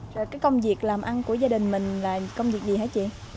rồi cái công việc làm ăn của gia đình mình là công việc gì hết chị